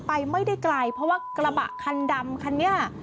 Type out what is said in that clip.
ไปไม่ได้ไกลเพราะว่ากระบะคันดำคันนี้